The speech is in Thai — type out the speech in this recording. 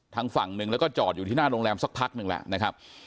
ทางฝั่งหนึ่งแล้วก็จอดอยู่ที่หน้าโรงแรมสักพักหนึ่งแล้วนะครับ